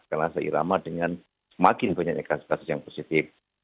karena seirama dengan semakin banyak ekstasis yang positif